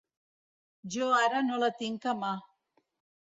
Jo ara no la tinc a mà.